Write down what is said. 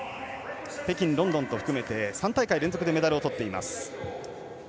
北京、ロンドンと含めて３大会連続メダルをとっています。